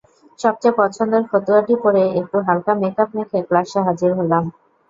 সবচেয়ে পছন্দের ফতুয়াটি পরে একটু হালকা মেকআপ মেখে ক্লাসে হাজির হলাম।